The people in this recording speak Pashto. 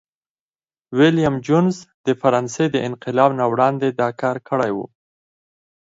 ویلیم جونز د فرانسې د انقلاب نه وړاندي دا کار کړی و.